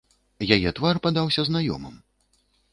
Яе твар падаўся знаёмым.